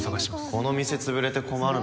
この店潰れて困るの